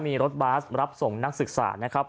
มีรถบัสรับส่งนักศึกษานะครับ